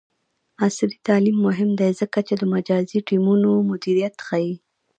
عصري تعلیم مهم دی ځکه چې د مجازی ټیمونو مدیریت ښيي.